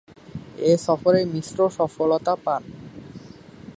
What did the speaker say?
এ সফরে মিশ্র সফলতা পান।